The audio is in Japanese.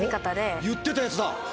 言ってたやつだ。